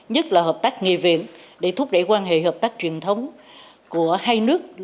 nhất là hợp tác nghị viện để thúc đẩy quan hệ hợp tác truyền thống của hai nước